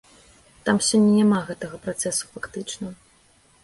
Там сёння няма гэтага працэсу фактычна.